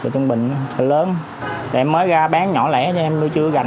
tân bình là chợ lớn em mới ra bán nhỏ lẻ cho em lưu chưa gành